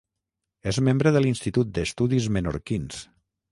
És membre de l'Institut d'Estudis Menorquins.